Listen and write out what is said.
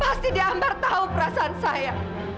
pasti diambar tahu perasaan saya